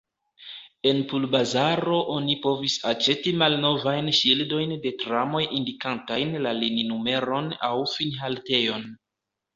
En pulbazaro oni povis aĉeti malnovajn ŝildojn de tramoj indikantajn la lininumeron aŭ finhaltejon.